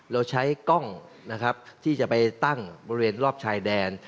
เราใช้กล้องนะครับที่จะไปตั้งบริเวณรอบชายแดน